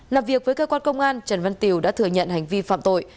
làm việc với cơ quan công an trần văn tiều đã thừa nhận hành vi phạm tội